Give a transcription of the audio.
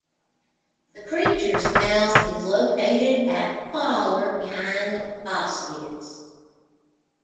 The creature's mouth is located at the collar behind the proboscis.